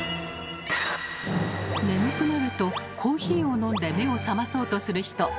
眠くなるとコーヒーを飲んで目を覚まそうとする人多いですよねえ。